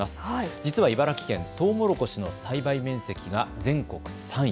実は茨城県、トウモロコシの栽培面積が全国３位。